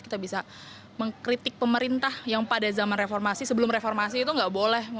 kita bisa mengkritik pemerintah yang pada zaman reformasi sebelum reformasi itu nggak boleh